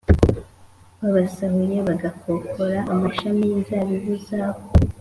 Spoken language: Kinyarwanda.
babasahuye bagakokora amashami yinzabibu zabo